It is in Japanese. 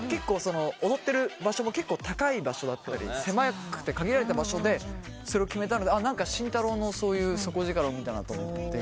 踊ってる場所も結構高い場所だったり狭くて限られた場所でそれを決めたので慎太郎の底力を見たなと思ってカッコイイなと思いましたね。